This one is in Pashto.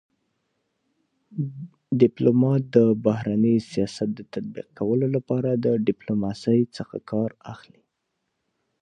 ډيپلومات دبهرني سیاست د تطبيق کولو لپاره د ډيپلوماسی څخه کار اخلي.